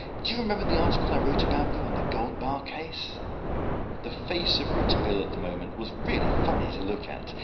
Do you remember the article I wrote about you on the gold bar case?" The face of Rouletabille at the moment was really funny to look at.